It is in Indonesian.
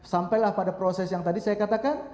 sampailah pada proses yang tadi saya katakan